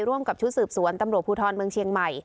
ร่วมกับชุดสืบสวนตำรวจภูทรเมืองเชียงใหม่